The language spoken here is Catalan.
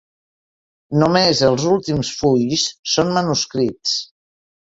Només els últims fulls són manuscrits.